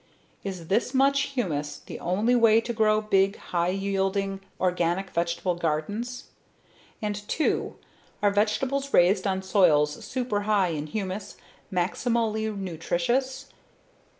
Is this much humus the only way to grow big, high yielding organic vegetable gardens and two, are vegetables raised on soils super high in humus maximally nutritious.